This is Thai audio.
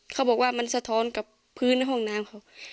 เขาบอกว่ามันสะท้อนกับพื้นห้องน้ำเขา